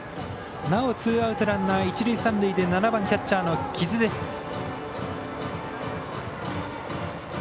なお、ツーアウトランナー、一塁三塁で７番キャッチャーの木津です。